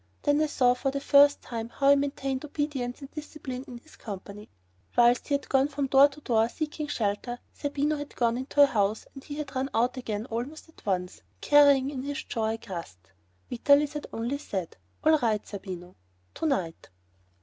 Then I saw for the first time how he maintained obedience and discipline in his company. Whilst we had gone from door to door seeking shelter, Zerbino had gone into a house and he had run out again almost at once, carrying in his jaws a crust. Vitalis had only said: "Alright, Zerbino ... to night."